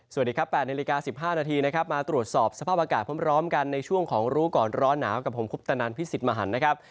สวัสดีครับ๘น๑๕นมาตรวจสอบสภาพอากาศพร้อมร้อมกันในช่วงของรู้ก่อนร้อนหนาวกับผมคุปตนันพิสิทธิ์มหันต์